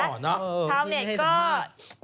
เราเนี่ยก็